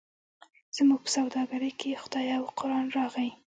زموږ په سوداګرۍ کې خدای او قران راغی.